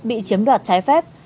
bị chiếm đoạt trái phép